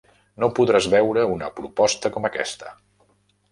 No podràs veure una proposta com aquesta.